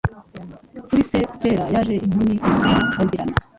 Kuri se cyera Yaje inkumi irabagirana